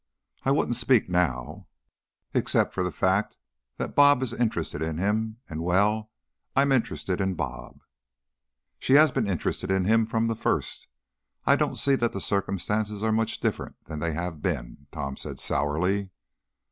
I wouldn't speak now, except for the fact that 'Bob' is interested in him and well, I'm interested in 'Bob.'" "She's been interested in him from the first. I don't see that the circumstances are much different than they have been," Tom said, sourly.